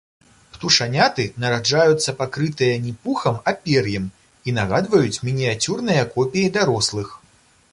Птушаняты нараджаюцца пакрытыя не пухам, а пер'ем, і нагадваюць мініяцюрныя копіі дарослых.